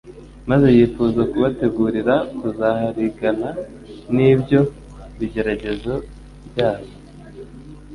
maze yifuza kubategurira kuzaharigana n'ibyo bigeragezo byabo.